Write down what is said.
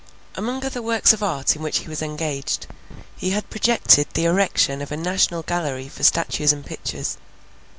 Among other works of art in which he was engaged, he had projected the erection of a national gallery for statues and pictures.